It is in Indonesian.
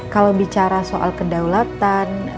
kalau bicara soal kedaulatan